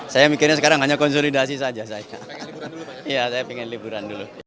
saya mikirnya sekarang hanya konsolidasi saja